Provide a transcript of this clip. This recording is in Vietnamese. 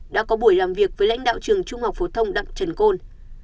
đã có buổi làm việc với lãnh đạo trường trung học phổ thông đặng trần côn